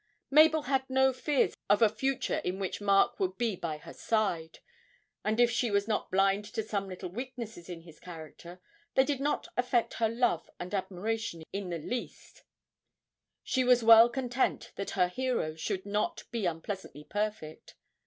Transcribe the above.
Mabel had no fears of a future in which Mark would be by her side; and if she was not blind to some little weaknesses in his character, they did not affect her love and admiration in the least she was well content that her hero should not be unpleasantly perfect.